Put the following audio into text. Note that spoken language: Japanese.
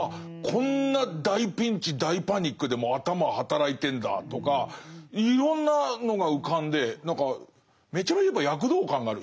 こんな大ピンチ大パニックでも頭働いてんだとかいろんなのが浮かんで何かめちゃめちゃやっぱ躍動感がある。